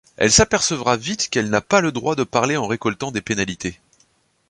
Elle s'apercevra vite qu'elle n'a pas le droit de parler en récoltant des pénalités.